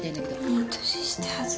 いい年して恥ず。